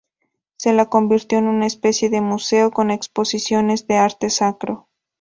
Se la convirtió en una especie de museo con exposiciones de arte sacro.